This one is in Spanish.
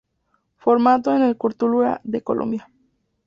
Formado en el Cortuluá de Colombia.